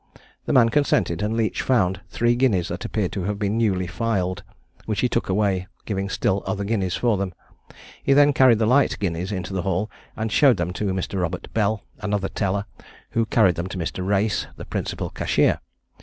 The man consented, and Leach found three guineas that appeared to have been newly filed, which he took away, giving Still other guineas for them. He then carried the light guineas into the hall, and showed them to Mr. Robert Bell, another teller, who carried them to Mr. Race, the principal cashier.